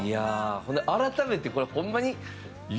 ほんで改めてこれホンマに。